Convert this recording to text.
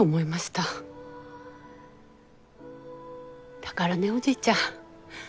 だからねおじいちゃん。